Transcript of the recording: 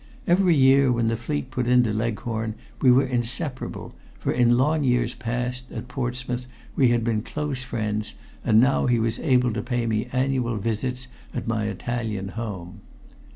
Each year when the fleet put into Leghorn we were inseparable, for in long years past, at Portsmouth, we had been close friends, and now he was able to pay me annual visits at my Italian home.